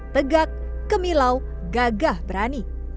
tegak kemilau gagah berani